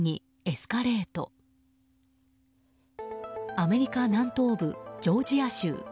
アメリカ南東部ジョージア州。